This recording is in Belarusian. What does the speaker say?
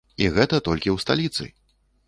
І гэта толькі ў сталіцы!